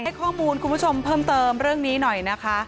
ให้ข้อมูลคุณผู้ชมเพิ่มเติมเรื่องนี้หน่อยนะคะ